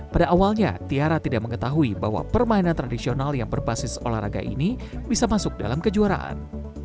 pada awalnya tiara tidak mengetahui bahwa permainan tradisional yang berbasis olahraga ini bisa masuk dalam kejuaraan